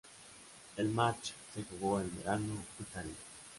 El match se jugó en Merano, Italia.